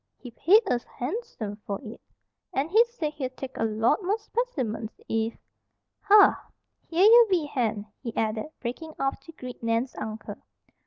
"He paid us harnsome for it; and he said he'd take a lot more spec'mens if "Har! Here ye be, Hen," he added, breaking off to greet Nan's uncle.